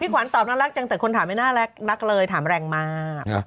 ขวัญตอบน่ารักจังแต่คนถามไม่น่ารักเลยถามแรงมาก